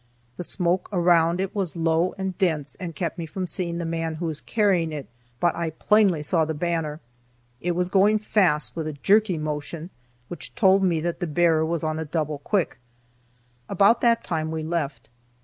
The smoke around it was low and dense and kept me from seeing the man who was carrying it, but I plainly saw the banner. It was going fast, with a jerky motion, which told me that the bearer was on a double quick. About that time we left.